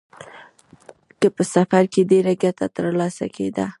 که په سفر کې ډېره ګټه ترلاسه کېده